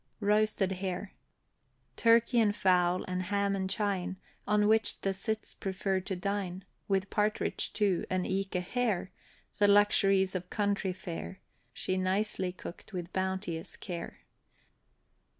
ROASTED HARE. Turkey and fowl, and ham and chine, On which the cits prefer to dine, With partridge, too, and eke a Hare, The luxuries of country fare, She nicely cooked with bounteous care.